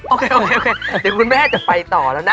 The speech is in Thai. โอเคเดี๋ยวคุณแม่จะไปต่อแล้วนะ